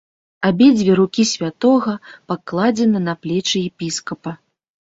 Абедзве рукі святога пакладзены на плечы епіскапа.